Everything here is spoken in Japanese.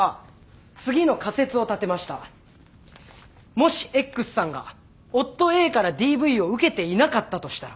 もしＸさんが夫ＡからＤＶを受けていなかったとしたら？